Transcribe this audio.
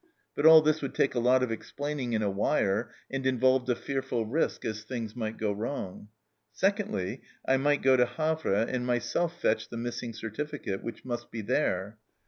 But all this would take a lot of explaining in a wire, and involved a fearful risk, as things might go wrong. " Secondly, I might go to Havre and myself fetch the missing certificate, which must be there.